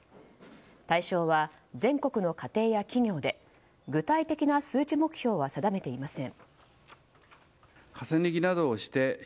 対象は全国の家庭や企業で具体的な数値目標は定めていません。